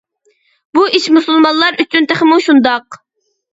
بۇ ئىش مۇسۇلمانلار ئۈچۈن تېخىمۇ شۇنداق.